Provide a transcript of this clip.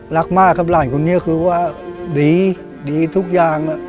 รักมากครับร่างคุณคุณเนี่ยคือว่าดีดีทุกอย่าง